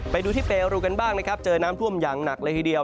ไปดูที่เปรูกันบ้างนะครับเจอน้ำท่วมอย่างหนักเลยทีเดียว